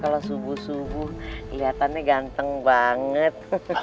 kalau subuh subuh kelihatannya ganteng banget